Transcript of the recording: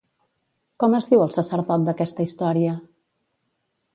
Com es diu el sacerdot d'aquesta història?